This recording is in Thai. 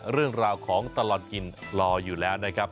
เรื่องราวของตลอดกินรออยู่แล้วนะครับ